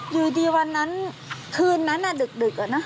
อยู่ดีวันนั้นคืนนั้นดึก